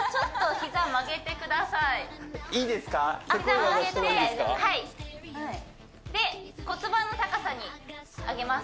膝曲げてはいで骨盤の高さに上げます